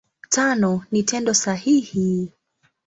Tano ni Tendo sahihi.